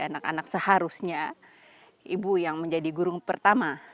anak anak seharusnya ibu yang menjadi guru pertama